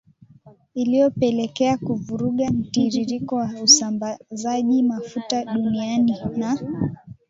iliyopelekea kuvuruga mtiririko wa usambazaji mafuta duniani na